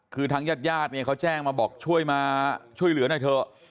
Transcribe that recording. คือทางญาติญาติเนี่ยเขาแจ้งมาบอกช่วยมาช่วยเหลือหน่อยเถอะ